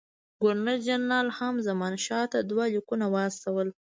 ګورنر جنرال هم زمانشاه ته دوه لیکونه واستول.